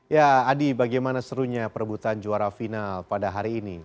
ya adi bagaimana serunya perebutan juara final pada hari ini